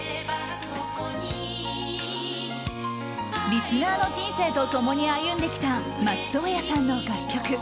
リスナーの人生と共に歩んできた松任谷さんの楽曲。